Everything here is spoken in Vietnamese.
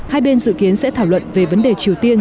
hai bên dự kiến sẽ thảo luận về vấn đề triều tiên